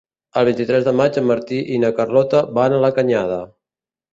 El vint-i-tres de maig en Martí i na Carlota van a la Canyada.